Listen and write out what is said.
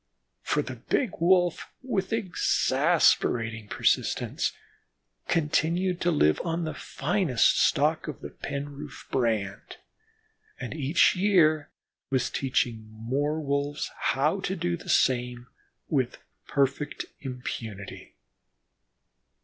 For the big Wolf, with exasperating persistence, continued to live on the finest stock of the Penroof brand, and each year was teaching more Wolves how to do the same with perfect impunity.